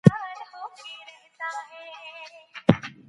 هغه پوه شو چې دا یوه ځانګړې ښځه ده.